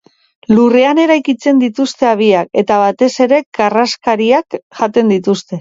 Lurrean eraikitzen dituzte habiak, eta batez ere karraskariak jaten dituzte.